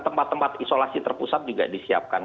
tempat tempat isolasi terpusat juga disiapkan